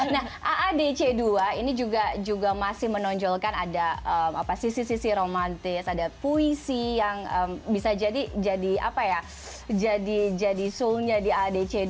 nah aadc dua ini juga masih menonjolkan ada sisi sisi romantis ada puisi yang bisa jadi apa ya jadi soulnya di aadc